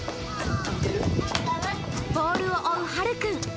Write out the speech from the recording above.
ボールを追うはるくん。